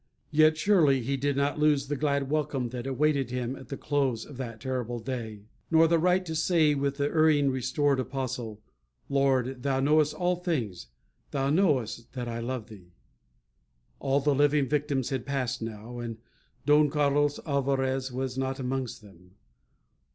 Yet surely he did not lose the glad welcome that awaited him at the close of that terrible day; nor the right to say, with the erring restored apostle, "Lord, thou knowest all things; thou knowest that I love thee." All the living victims had passed now. And Don Carlos Alvarez was not amongst them.